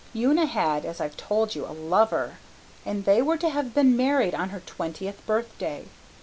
"Una had, as I've told you, a lover; and they were to have been married on her twentieth birthday.